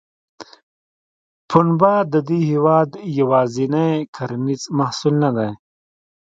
پنبه د دې هېواد یوازینی کرنیز محصول نه دی.